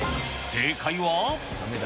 正解は？